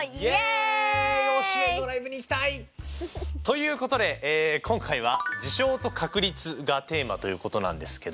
推しメンのライブに行きたい！ということで今回は「事象と確率」がテーマということなんですけど。